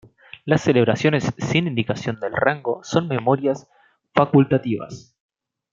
Las celebraciones sin indicación del rango son memorias facultativas.